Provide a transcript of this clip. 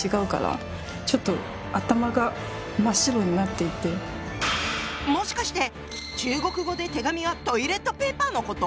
ちょっともしかして中国語で手紙はトイレットペーパーのこと？